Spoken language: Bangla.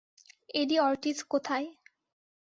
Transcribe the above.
এডি অর্টিজ কোথায়?